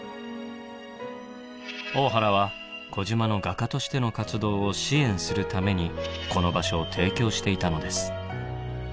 大原は児島の画家としての活動を支援するためにこの場所を提供していたのです。